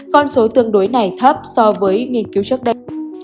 con số tương đối này thấp so với nghiên cứu trước đây